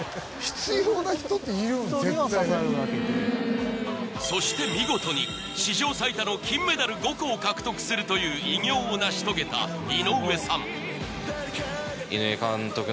絶対そして見事に史上最多の金メダル５個を獲得するという偉業を成し遂げた井上さん